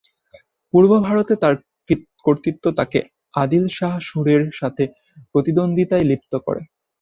পূর্বভারতে তাঁর কর্তৃত্ব তাঁকে আদিল শাহ শূরের সাথে প্রতিদ্বন্দ্বিতায় লিপ্ত করে।